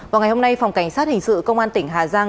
vào ngày hôm nay phòng cảnh sát hình sự công an tỉnh hà giang